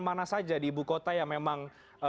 mana saja di ibu kota yang memang